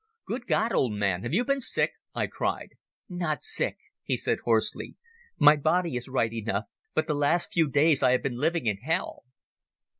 "Good God, old man, have you been sick?" I cried. "Not sick," he said hoarsely. "My body is right enough, but the last few days I have been living in hell."